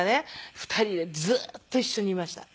２人でずっと一緒にいました。